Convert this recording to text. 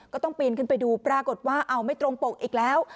ก็ต้องปีนขึ้นไปดูปรากฏว่าเอาไม่ตรงปกอีกแล้ว